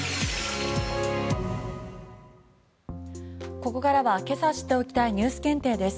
ここからは今朝知っておきたいニュース検定です。